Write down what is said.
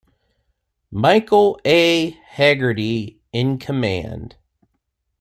Michael A. Hegarty in command.